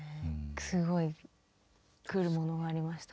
すごいくるものがありました。